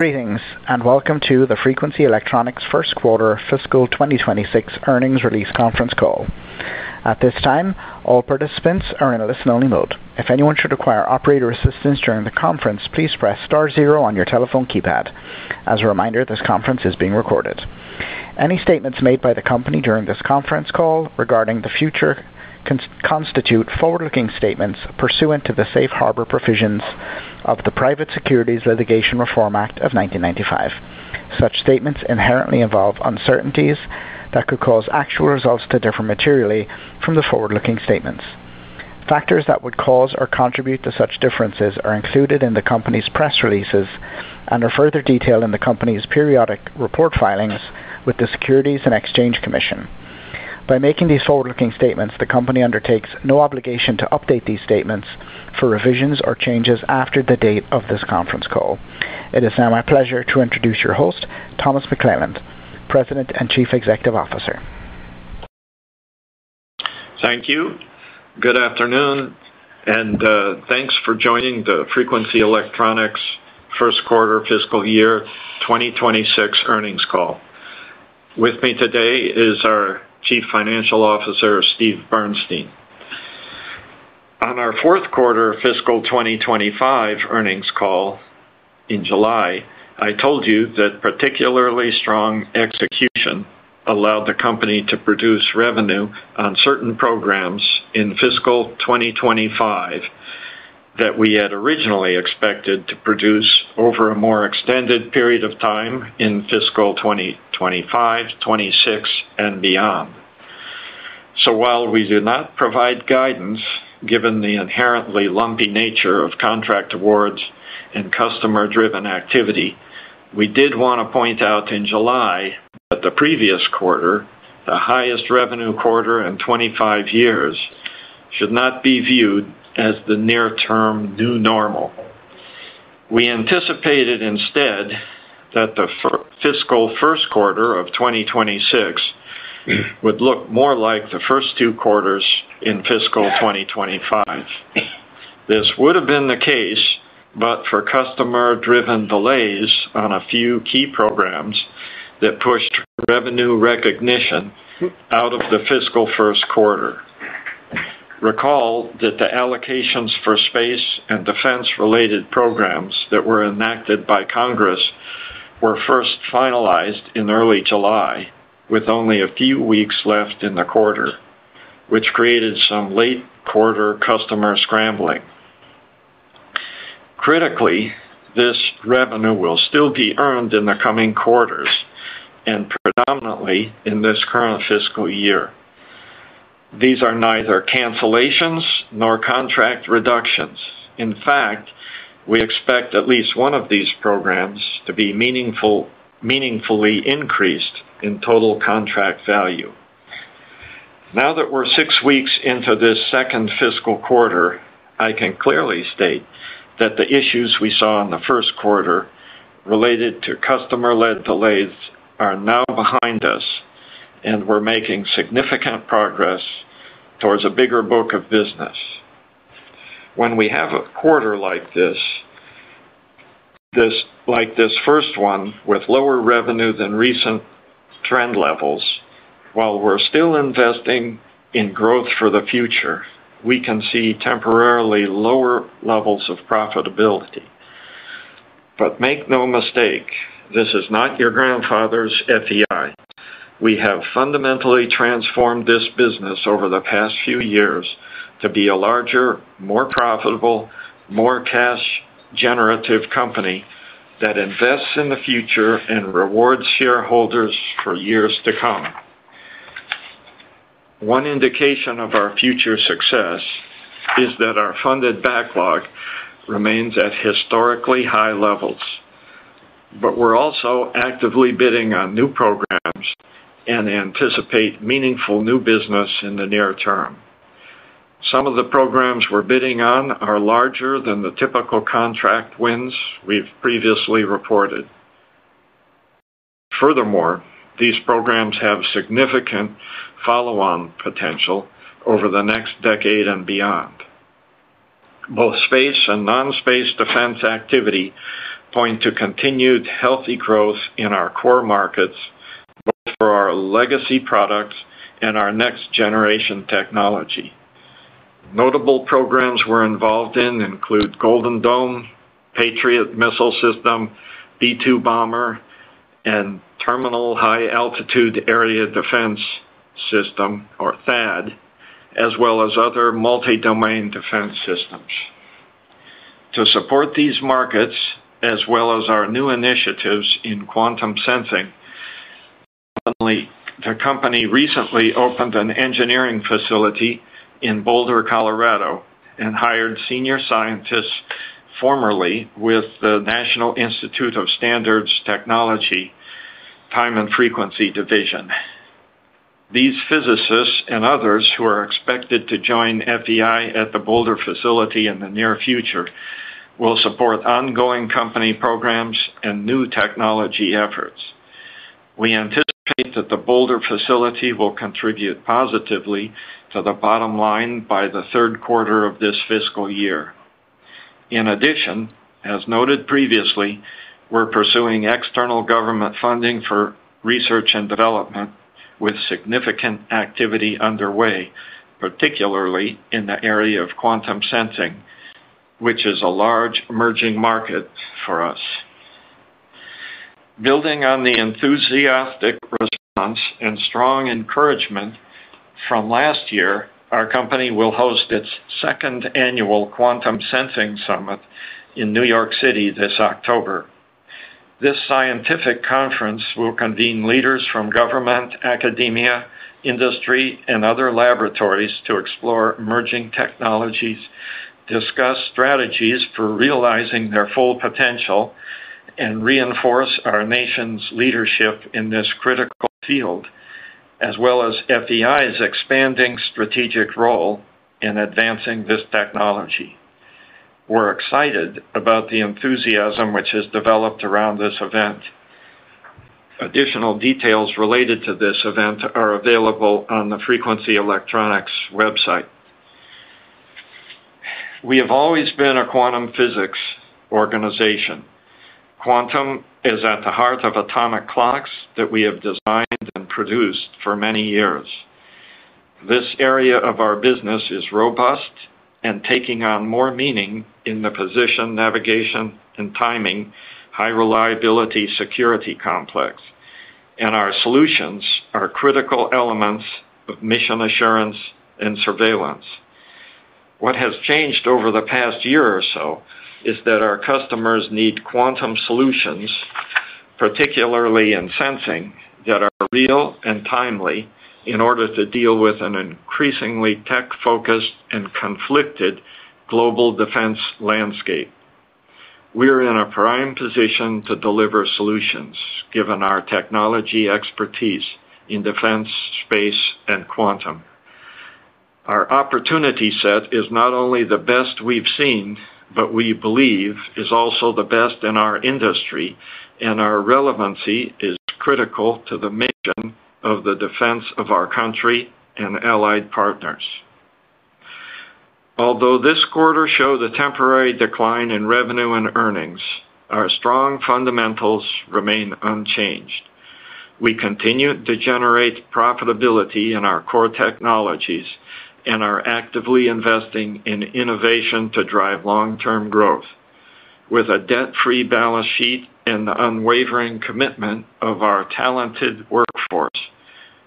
Greetings, and welcome to the Frequency Electronics, Inc. first quarter fiscal 2026 earnings release conference call. At this time, all participants are in a listen-only mode. If anyone should require operator assistance during the conference, please press star zero on your telephone keypad. As a reminder, this conference is being recorded. Any statements made by the company during this conference call regarding the future constitute forward-looking statements pursuant to the safe harbor provisions of the Private Securities Litigation Reform Act of 1995. Such statements inherently involve uncertainties that could cause actual results to differ materially from the forward-looking statements. Factors that would cause or contribute to such differences are included in the company's press releases and are further detailed in the company's periodic report filings with the Securities and Exchange Commission. By making these forward-looking statements, the company undertakes no obligation to update these statements for revisions or changes after the date of this conference call. It is now my pleasure to introduce your host, Thomas McClelland, President and Chief Executive Officer. Thank you. Good afternoon, and thanks for joining the Frequency Electronics, Inc. first quarter fiscal year 2026 earnings call. With me today is our Chief Financial Officer, Steve Bernstein. On our fourth quarter fiscal 2025 earnings call in July, I told you that particularly strong execution allowed the company to produce revenue on certain programs in fiscal 2025 that we had originally expected to produce over a more extended period of time in fiscal 2025, 2026, and beyond. While we do not provide guidance given the inherently lumpy nature of contract awards and customer-driven activity, we did want to point out in July that the previous quarter, the highest revenue quarter in 25 years, should not be viewed as the near-term new normal. We anticipated instead that the fiscal first quarter of 2026 would look more like the first two quarters in fiscal 2025. This would have been the case, but for customer-driven delays on a few key programs that pushed revenue recognition out of the fiscal first quarter. Recall that the allocations for space and defense-related programs that were enacted by Congress were first finalized in early July, with only a few weeks left in the quarter, which created some late-quarter customer scrambling. Critically, this revenue will still be earned in the coming quarters, and predominantly in this current fiscal year. These are neither cancellations nor contract reductions. In fact, we expect at least one of these programs to be meaningfully increased in total contract value. Now that we're six weeks into this second fiscal quarter, I can clearly state that the issues we saw in the first quarter related to customer-led delays are now behind us, and we're making significant progress towards a bigger book of business. When we have a quarter like this, like this first one, with lower revenue than recent trend levels, while we're still investing in growth for the future, we can see temporarily lower levels of profitability. Make no mistake, this is not your grandfather's Frequency Electronics, Inc. We have fundamentally transformed this business over the past few years to be a larger, more profitable, more cash-generative company that invests in the future and rewards shareholders for years to come. One indication of our future success is that our funded backlog remains at historically high levels, but we're also actively bidding on new programs and anticipate meaningful new business in the near term. Some of the programs we're bidding on are larger than the typical contract wins we've previously reported. Furthermore, these programs have significant follow-on potential over the next decade and beyond. Both space and non-space defense activity point to continued healthy growth in our core markets for our legacy products and our next-generation technology. Notable programs we're involved in include Golden Dome, Patriot Missile System, B-2 Bomber, and Terminal High Altitude Area Defense, or THAAD, as well as other multi-domain defense systems. To support these markets, as well as our new initiatives in quantum sensing, the company recently opened an engineering facility in Boulder, Colorado, and hired senior scientists formerly with the National Institute of Standards and Technology Time and Frequency Division. These physicists and others who are expected to join FEI at the Boulder facility in the near future will support ongoing company programs and new technology efforts. We anticipate that the Boulder facility will contribute positively to the bottom line by the third quarter of this fiscal year. In addition, as noted previously, we're pursuing external government funding for research and development, with significant activity underway, particularly in the area of quantum sensing, which is a large emerging market for us. Building on the enthusiastic response and strong encouragement from last year, our company will host its second annual Quantum Sensing Summit in New York City this October. This scientific conference will convene leaders from government, academia, industry, and other laboratories to explore emerging technologies, discuss strategies for realizing their full potential, and reinforce our nation's leadership in this critical field, as well as FEI's expanding strategic role in advancing this technology. We're excited about the enthusiasm which has developed around this event. Additional details related to this event are available on the Frequency Electronics website. We have always been a quantum physics organization. Quantum is at the heart of atomic clocks that we have designed and produced for many years. This area of our business is robust and taking on more meaning in the position, navigation, and timing high-reliability security complex, and our solutions are critical elements of mission assurance and surveillance. What has changed over the past year or so is that our customers need quantum solutions, particularly in sensing, that are real and timely in order to deal with an increasingly tech-focused and conflicted global defense landscape. We're in a prime position to deliver solutions given our technology expertise in defense, space, and quantum. Our opportunity set is not only the best we've seen, but we believe is also the best in our industry, and our relevancy is critical to the mission of the defense of our country and allied partners. Although this quarter showed a temporary decline in revenue and earnings, our strong fundamentals remain unchanged. We continue to generate profitability in our core technologies and are actively investing in innovation to drive long-term growth. With a debt-free balance sheet and the unwavering commitment of our talented workforce,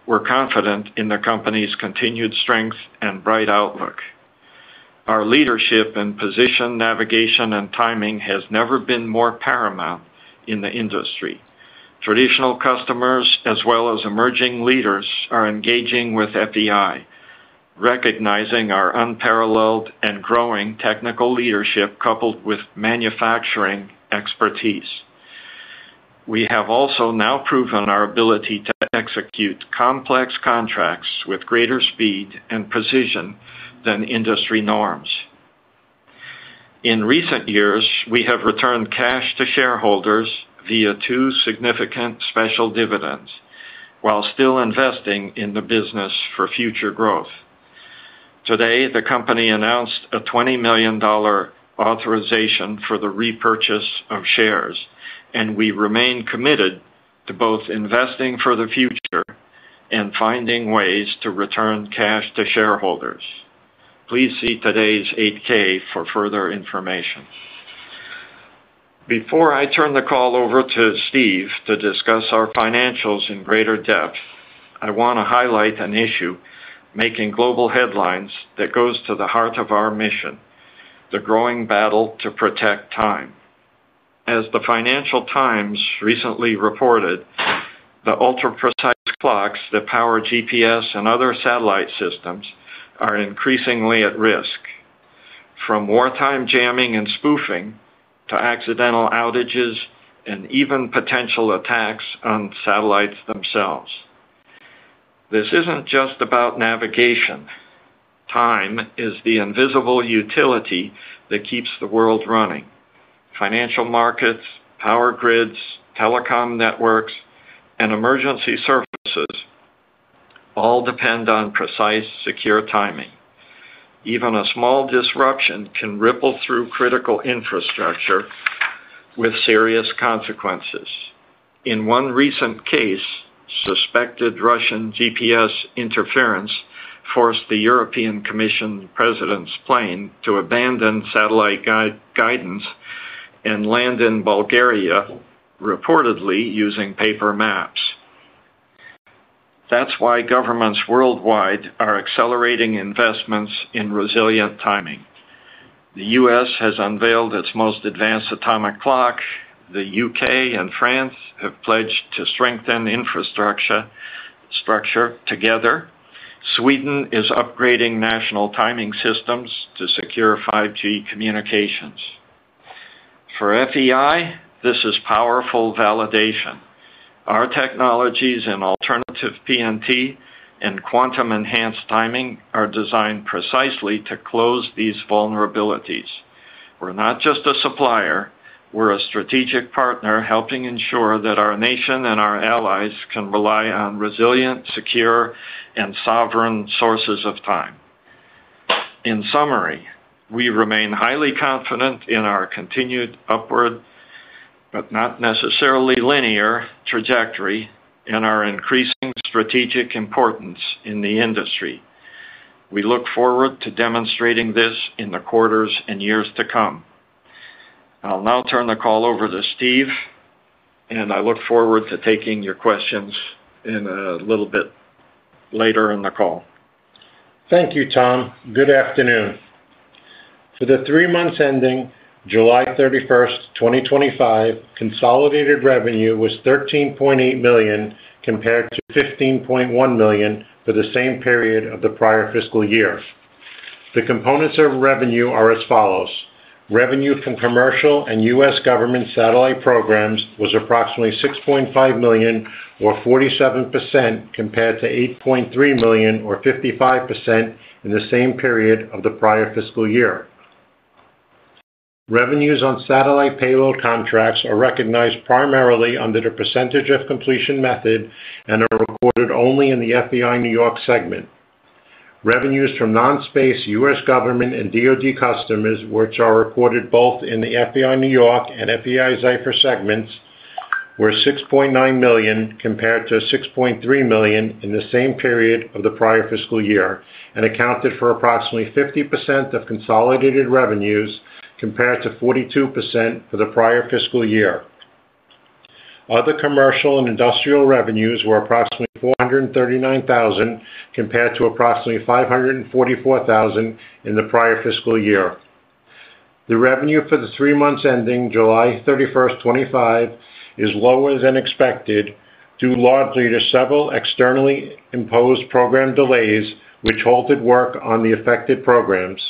we're confident in the company's continued strength and bright outlook. Our leadership in position, navigation, and timing has never been more paramount in the industry. Traditional customers, as well as emerging leaders, are engaging with FEI, recognizing our unparalleled and growing technical leadership coupled with manufacturing expertise. We have also now proven our ability to execute complex contracts with greater speed and precision than industry norms. In recent years, we have returned cash to shareholders via two significant special dividends, while still investing in the business for future growth. Today, the company announced a $20 million authorization for the repurchase of shares, and we remain committed to both investing for the future and finding ways to return cash to shareholders. Please see today's 8K for further information. Before I turn the call over to Steve to discuss our financials in greater depth, I want to highlight an issue making global headlines that goes to the heart of our mission: the growing battle to protect time. As the Financial Times recently reported, the ultra-protected clocks that power GPS and other satellite systems are increasingly at risk, from wartime jamming and spoofing to accidental outages and even potential attacks on satellites themselves. This isn't just about navigation. Time is the invisible utility that keeps the world running. Financial markets, power grids, telecom networks, and emergency services all depend on precise, secure timing. Even a small disruption can ripple through critical infrastructure with serious consequences. In one recent case, suspected Russian GPS interference forced the European Commission President's plane to abandon satellite guidance and land in Bulgaria, reportedly using paper maps. That's why governments worldwide are accelerating investments in resilient timing. The U.S. has unveiled its most advanced atomic clock. The UK and France have pledged to strengthen infrastructure together. Sweden is upgrading national timing systems to secure 5G communications. For Frequency Electronics, Inc., this is powerful validation. Our technologies in alternative position, navigation, and timing (PNT) and quantum-enhanced timing are designed precisely to close these vulnerabilities. We're not just a supplier. We're a strategic partner helping ensure that our nation and our allies can rely on resilient, secure, and sovereign sources of time. In summary, we remain highly confident in our continued upward, but not necessarily linear, trajectory and our increasing strategic importance in the industry. We look forward to demonstrating this in the quarters and years to come. I'll now turn the call over to Steve, and I look forward to taking your questions a little bit later in the call. Thank you, Tom. Good afternoon. For the three months ending July 31, 2025, consolidated revenue was $13.8 million compared to $15.1 million for the same period of the prior fiscal year. The components of revenue are as follows: revenue from commercial and U.S. government satellite programs was approximately $6.5 million, or 47%, compared to $8.3 million, or 55%, in the same period of the prior fiscal year. Revenues on satellite payload contracts are recognized primarily under the percentage of completion method and are reported only in the FEI New York segment. Revenues from non-space U.S. government and DOD customers, which are recorded both in the FEI New York and FEI Xipher segments, were $6.9 million compared to $6.3 million in the same period of the prior fiscal year and accounted for approximately 50% of consolidated revenues compared to 42% for the prior fiscal year. Other commercial and industrial revenues were approximately $439,000 compared to approximately $544,000 in the prior fiscal year. The revenue for the three months ending July 31, 2025, is lower than expected due largely to several externally imposed program delays, which halted work on the affected programs.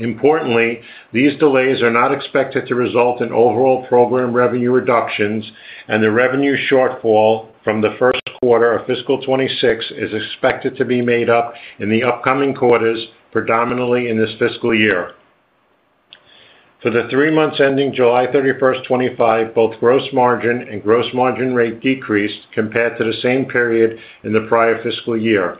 Importantly, these delays are not expected to result in overall program revenue reductions, and the revenue shortfall from the first quarter of fiscal 2026 is expected to be made up in the upcoming quarters, predominantly in this fiscal year. For the three months ending July 31, 2025, both gross margin and gross margin rate decreased compared to the same period in the prior fiscal year.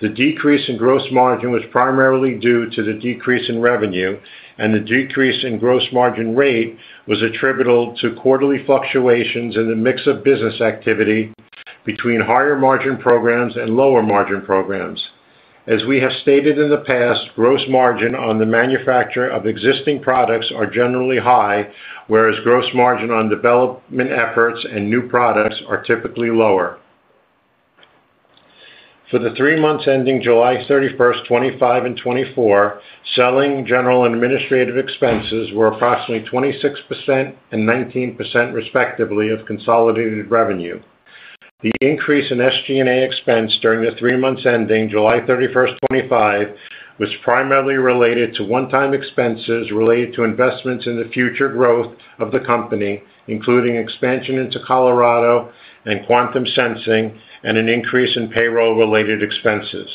The decrease in gross margin was primarily due to the decrease in revenue, and the decrease in gross margin rate was attributable to quarterly fluctuations in the mix of business activity between higher margin programs and lower margin programs. As we have stated in the past, gross margin on the manufacture of existing products are generally high, whereas gross margin on development efforts and new products are typically lower. For the three months ending July 31, 2025 and 2024, selling, general and administrative expenses were approximately 26% and 19%, respectively, of consolidated revenue. The increase in SG&A expense during the three months ending July 31, 2025 was primarily related to one-time expenses related to investments in the future growth of the company, including expansion into Colorado and quantum sensing, and an increase in payroll-related expenses.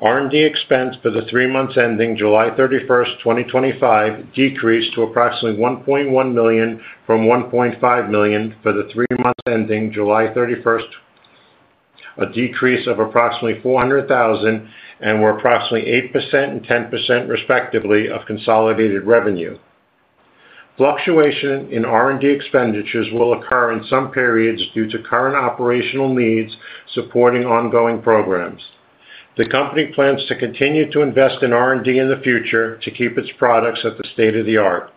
R&D expense for the three months ending July 31, 2025 decreased to approximately $1.1 million from $1.5 million for the three months ending July 31, 2024, a decrease of approximately $400,000, and were approximately 8% and 10%, respectively, of consolidated revenue. Fluctuation in R&D expenditures will occur in some periods due to current operational needs supporting ongoing programs. The company plans to continue to invest in R&D in the future to keep its products at the state-of-the-art.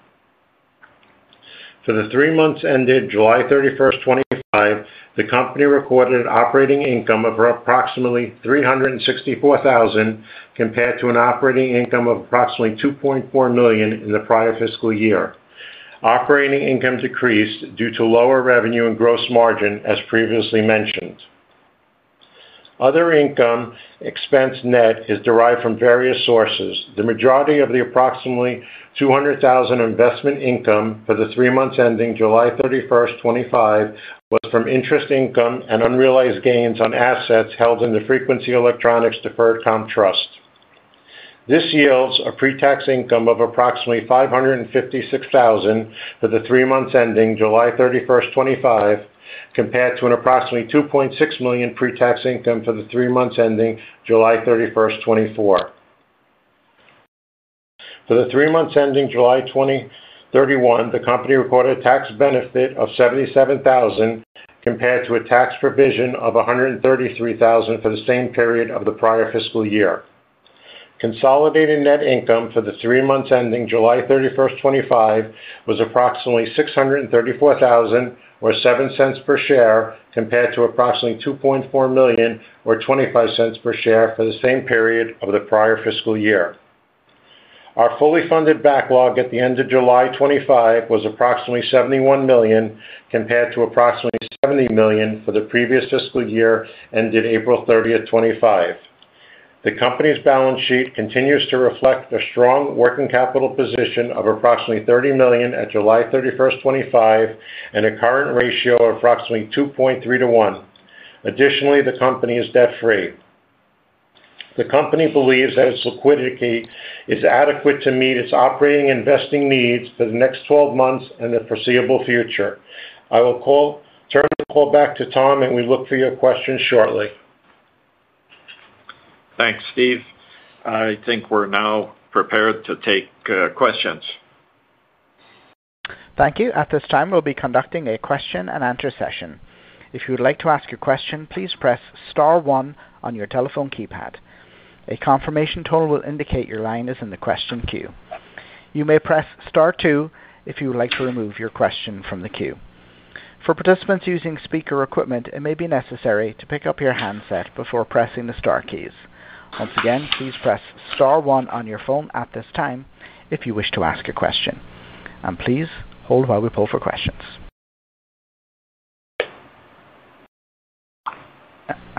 For the three months ended July 31, 2025, the company recorded an operating income of approximately $364,000 compared to an operating income of approximately $2.4 million in the prior fiscal year. Operating income decreased due to lower revenue and gross margin, as previously mentioned. Other income expense net is derived from various sources. The majority of the approximately $200,000 investment income for the three months ending July 31, 2025 was from interest income and unrealized gains on assets held in the Frequency Electronics Deferred Comp Trust. This yields a pre-tax income of approximately $556,000 for the three months ending July 31, 2025, compared to an approximately $2.6 million pre-tax income for the three months ending July 31, 2024. For the three months ending July 31, 2025, the company recorded a tax benefit of $77,000 compared to a tax provision of $133,000 for the same period of the prior fiscal year. Consolidated net income for the three months ending July 31, 2025 was approximately $634,000, or $0.07 per share, compared to approximately $2.4 million, or $0.25 per share for the same period of the prior fiscal year. Our fully funded backlog at the end of July 2025 was approximately $71 million, compared to approximately $70 million for the previous fiscal year ended April 30, 2025. The company's balance sheet continues to reflect a strong working capital position of approximately $30 million at July 31, 2025, and a current ratio of approximately 2.3 to 1. Additionally, the company is debt-free. The company believes that its liquidity is adequate to meet its operating investing needs for the next 12 months and the foreseeable future. I will turn the call back to Tom, and we look for your questions shortly. Thanks, Steve. I think we're now prepared to take questions. Thank you. At this time, we'll be conducting a question and answer session. If you would like to ask your question, please press star one on your telephone keypad. A confirmation tone will indicate your line is in the question queue. You may press star two if you would like to remove your question from the queue. For participants using speaker equipment, it may be necessary to pick up your handset before pressing the star keys. Once again, please press star one on your phone at this time if you wish to ask a question. Please hold while we pull for questions.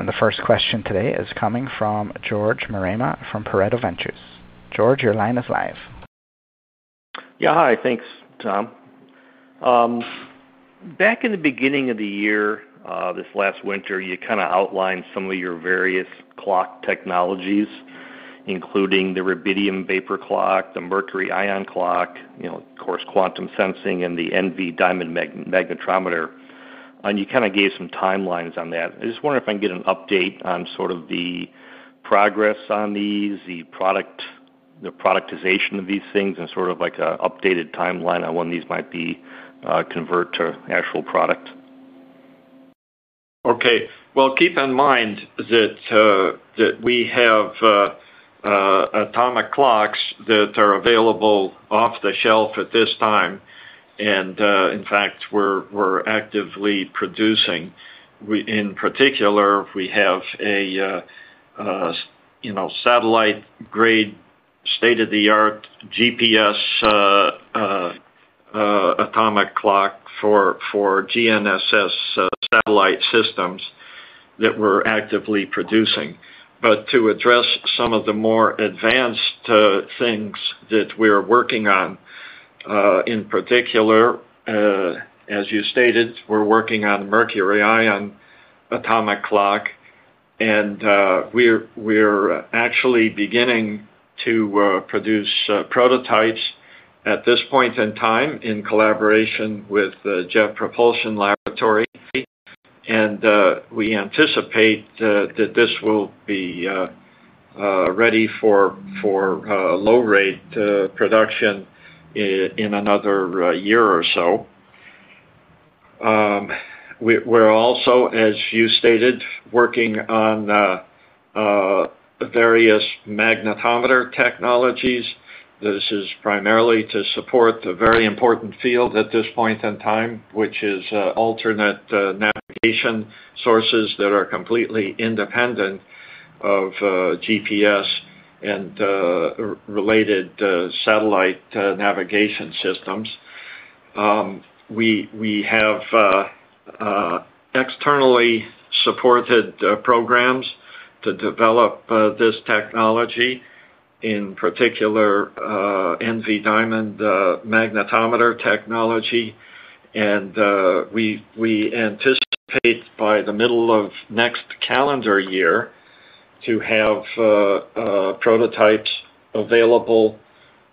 The first question today is coming from George Marema from Pareto Ventures. George, your line is live. Yeah, hi. Thanks, Tom. Back in the beginning of the year, this last winter, you kind of outlined some of your various clock technologies, including the Rubidium Vapor Clock, the Mercury Ion atomic clock, you know, of course, quantum sensing, and the Envi Diamond magnetometer. You kind of gave some timelines on that. I just wonder if I can get an update on sort of the progress on these, the productization of these things, and sort of like an updated timeline on when these might be converted to actual product. Okay. Keep in mind that we have atomic clocks that are available off the shelf at this time, and in fact, we're actively producing. In particular, we have a satellite-grade, state-of-the-art GPS atomic clock for GNSS satellite systems that we're actively producing. To address some of the more advanced things that we're working on, in particular, as you stated, we're working on a Mercury Ion atomic clock. We're actually beginning to produce prototypes at this point in time in collaboration with the Jet Propulsion Laboratory, and we anticipate that this will be ready for low-rate production in another year or so. We're also, as you stated, working on various magnetometer technologies. This is primarily to support the very important field at this point in time, which is alternate navigation sources that are completely independent of GPS and related satellite navigation systems. We have externally supported programs to develop this technology, in particular, Envi Diamond magnetometer technology, and we anticipate by the middle of next calendar year to have prototypes available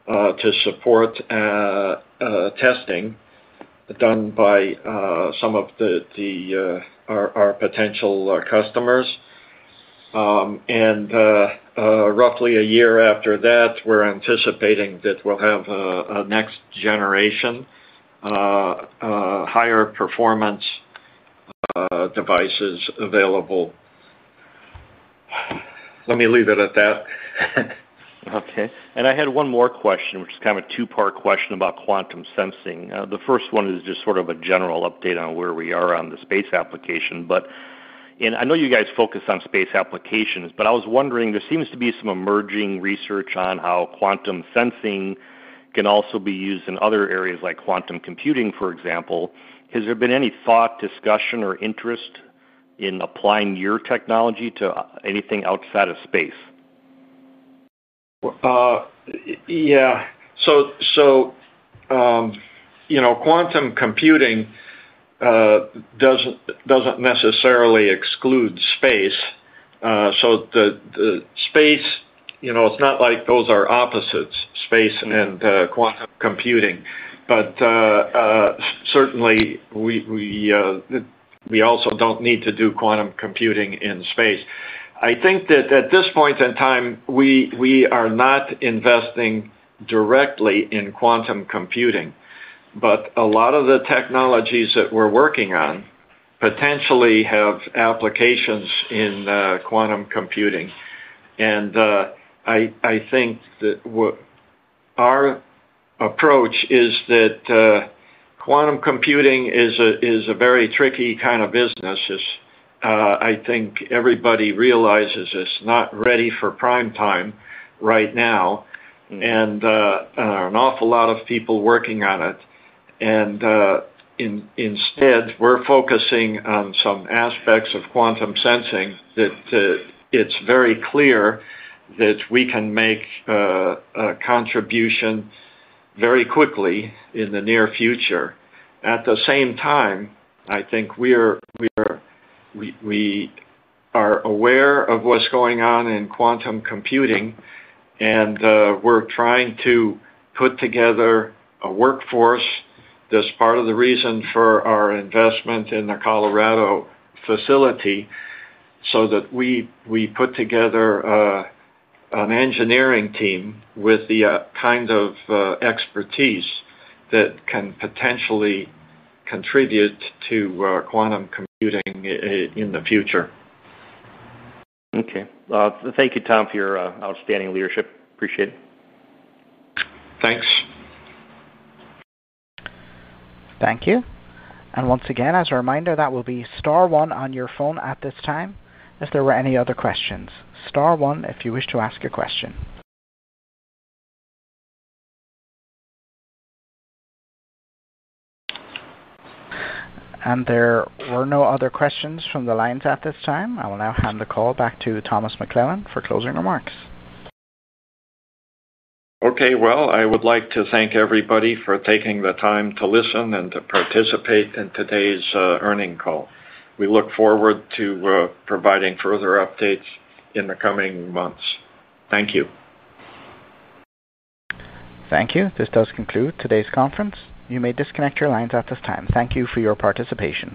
to support testing done by some of our potential customers. Roughly a year after that, we're anticipating that we'll have next-generation, higher-performance devices available. Let me leave it at that. Okay. I had one more question, which is kind of a two-part question about quantum sensing. The first one is just sort of a general update on where we are on the space application. I know you guys focus on space applications, but I was wondering, there seems to be some emerging research on how quantum sensing can also be used in other areas, like quantum computing, for example. Has there been any thought, discussion, or interest in applying your technology to anything outside of space? Quantum computing doesn't necessarily exclude space. The space, you know, it's not like those are opposites, space and quantum computing. Certainly, we also don't need to do quantum computing in space. At this point in time, we are not investing directly in quantum computing. A lot of the technologies that we're working on potentially have applications in quantum computing. Our approach is that quantum computing is a very tricky kind of business. I think everybody realizes it's not ready for prime time right now. There are an awful lot of people working on it. Instead, we're focusing on some aspects of quantum sensing that it's very clear we can make a contribution very quickly in the near future. At the same time, we are aware of what's going on in quantum computing, and we're trying to put together a workforce. That's part of the reason for our investment in the Colorado facility, so that we put together an engineering team with the kind of expertise that can potentially contribute to quantum computing in the future. Okay. Thank you, Tom, for your outstanding leadership. Appreciate it. Thanks. Thank you. Once again, as a reminder, that will be star one on your phone at this time. If there are any other questions, star one if you wish to ask your question. There are no other questions from the lines at this time. I will now hand the call back to Thomas McClelland for closing remarks. I would like to thank everybody for taking the time to listen and to participate in today's earnings call. We look forward to providing further updates in the coming months. Thank you. Thank you. This does conclude today's conference. You may disconnect your lines at this time. Thank you for your participation.